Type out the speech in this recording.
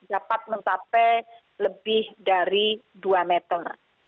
dapat mencapai lebih dari dua meter